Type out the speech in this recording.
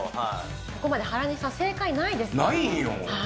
ここまで原西さん、正解ないないんよ。